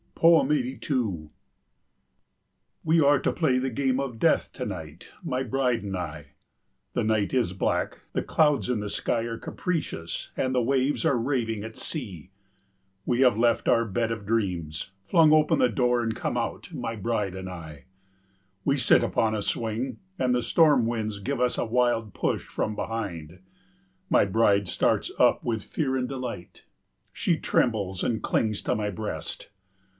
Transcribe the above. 82 We are to play the game of death to night, my bride and I. The night is black, the clouds in the sky are capricious, and the waves are raving at sea. We have left our bed of dreams, flung open the door and come out, my bride and I. We sit upon a swing, and the storm winds give us a wild push from behind. My bride starts up with fear and delight, she trembles and clings to my breast.